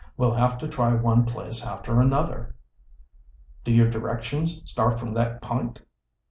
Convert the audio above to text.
We'll have to try one place after another." "Do your directions start from that p'int?"